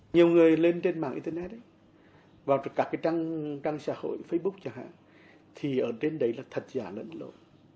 nhiều người lên trên mạng internet vào cả cái trang xã hội facebook chẳng hạn thì ở trên đấy là thật giả lẫn lộ